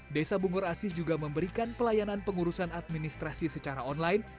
desa bungur asih juga memberikan pelayanan pengurusan administrasi secara online